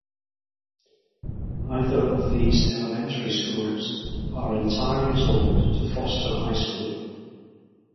Either of these elementary schools are entirely zoned to Foster High School.